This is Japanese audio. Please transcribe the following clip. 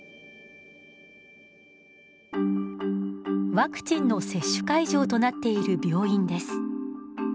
ワクチンの接種会場となっている病院です。